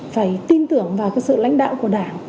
phải tin tưởng vào cái sự lãnh đạo của đảng